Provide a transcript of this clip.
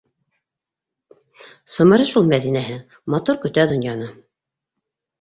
Сымыры шул Мәҙинәһе, матур көтә донъяны.